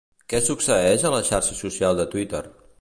Què succeeix a la xarxa social de Twitter?